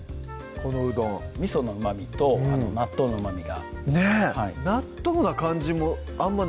このうどんみそのうまみと納豆のうまみがねっ納豆な感じもあんま